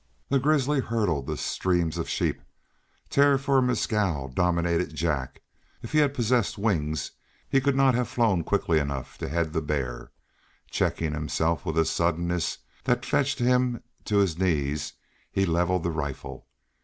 The grizzly hurdled the streams of sheep. Terror for Mescal dominated Jack; if he had possessed wings he could not have flown quickly enough to head the bear. Checking himself with a suddenness that fetched him to his knees, he levelled the rifle.